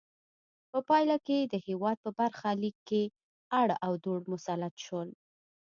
په پایله کې د هېواد په برخه لیک کې اړ او دوړ مسلط شول.